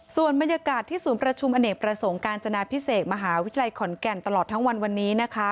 ส่วนบรรยากาศที่ศูนย์ประชุมอเนกประสงค์การจนาพิเศษมหาวิทยาลัยขอนแก่นตลอดทั้งวันวันนี้นะคะ